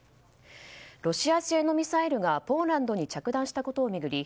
ロシア製のミサイルがポーランドに着弾したことを巡り